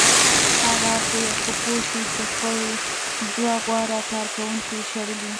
هغه به پوه شي چې خپل دوه غوره کارکوونکي یې شړلي